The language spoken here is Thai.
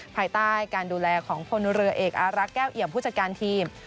ภายใต้การดูแลของพลเรือเอกอารักษ์แก้วเอี่ยมผู้จัดการทีม